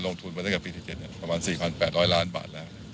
ลงทุนมาตั้งแต่ปี๑๗ประมาณ๔๘๐๐ล้านบาทแล้ว